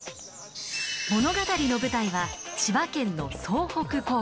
物語の舞台は千葉県の総北高校。